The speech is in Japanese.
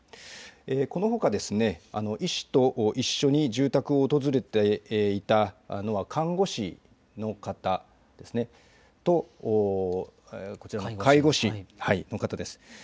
このほか医師と一緒に住宅を訪れていた看護師の方とこちらの介護士の方です。